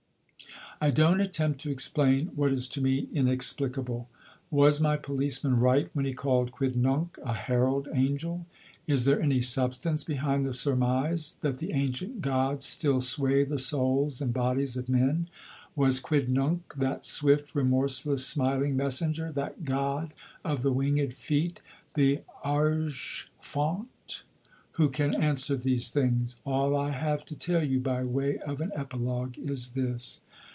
I don't attempt to explain what is to me inexplicable. Was my policeman right when he called Quidnunc a herald angel? Is there any substance behind the surmise that the ancient gods still sway the souls and bodies of men? Was Quidnunc, that swift, remorseless, smiling messenger, that god of the winged feet? The Argeïphont? Who can answer these things? All I have to tell you by way of an epilogue is this.